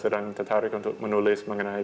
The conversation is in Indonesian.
sedang tertarik untuk menulis mengenai